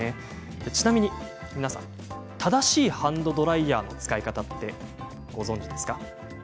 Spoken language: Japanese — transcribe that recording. ちなみに皆さん正しいハンドドライヤーの使い方ご存じですか？